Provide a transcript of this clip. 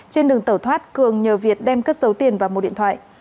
trên đường tẩu thoát cường nhờ việt đem cất dấu tiền và một điện thoại